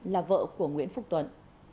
là vợ của nguyễn phúc tuấn